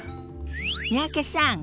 三宅さん